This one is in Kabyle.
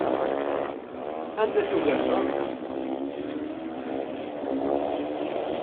Anda-t ugafa?